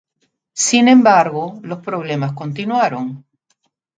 Sin embargo, los problemas continuaron.